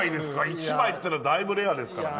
１枚というのはだいぶレアですからね。